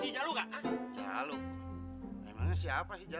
jalur jalur teman teman juga sabar sabar